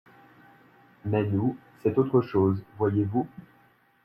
Mais nous, c’est autre chose voyez-vous ?